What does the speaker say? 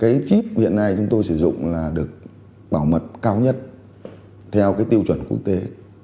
cái chip hiện nay chúng tôi sử dụng là được bảo mật cao nhất theo cái tiêu chuẩn quốc tế